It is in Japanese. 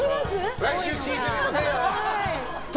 来週聞いてみますよ。